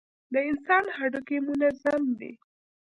د انسان هډوکى منظم وي.